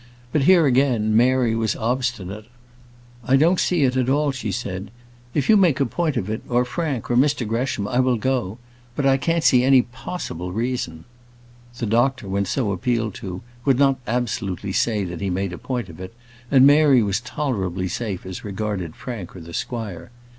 But here, again, Mary was obstinate. "I don't see it at all," she said. "If you make a point of it, or Frank, or Mr Gresham, I will go; but I can't see any possible reason." The doctor, when so appealed to, would not absolutely say that he made a point of it, and Mary was tolerably safe as regarded Frank or the squire.